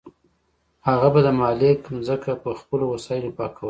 هغه به د مالک ځمکه په خپلو وسایلو پاکوله.